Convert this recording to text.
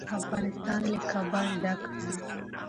افغانستان له کابل ډک دی.